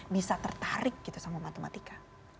bisa tertarik gitu sama matematika